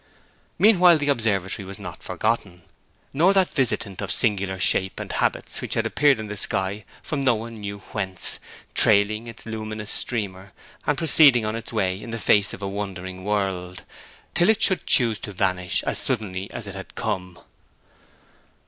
Meanwhile the observatory was not forgotten; nor that visitant of singular shape and habits which had appeared in the sky from no one knew whence, trailing its luminous streamer, and proceeding on its way in the face of a wondering world, till it should choose to vanish as suddenly as it had come.